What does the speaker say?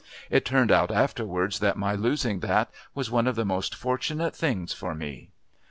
It turned out afterwards that my losing that was one of the most fortunate things for me.